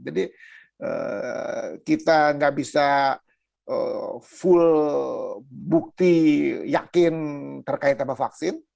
jadi kita nggak bisa full bukti yakin terkait sama vaksin